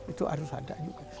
itu harus ada juga